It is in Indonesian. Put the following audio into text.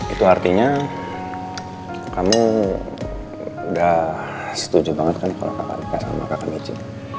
itu artinya kamu udah setuju banget kan kalau kakak dekat sama kakak medc